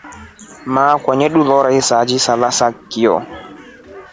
Mama kwaa neturora isila sala za kio.